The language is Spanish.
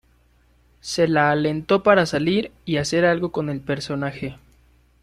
Se la alentó para salir y hacer algo con el personaje.